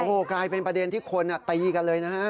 โอ้โหกลายเป็นประเด็นที่คนตีกันเลยนะฮะ